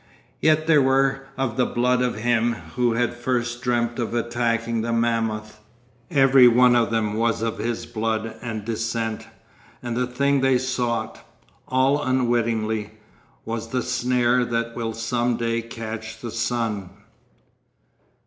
Yet they were of the blood of him who had first dreamt of attacking the mammoth; every one of them was of his blood and descent; and the thing they sought, all unwittingly, was the snare that will some day catch the sun.